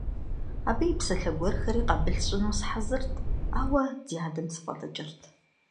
Абы и псалъэ гуэрхэри къабыл сщӀыну сыхьэзырт, ауэ ди адэм сыфӏэлӏыкӏырт.